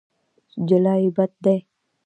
جلايي بد دی.